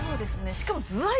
しかも。